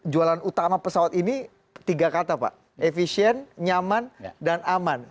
jualan utama pesawat ini tiga kata pak efisien nyaman dan aman